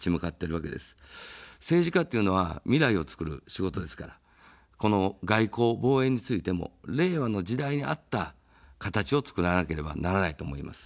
政治家というのは未来をつくる仕事ですから、この外交、防衛についても令和の時代に合った形をつくらなければならないと思います。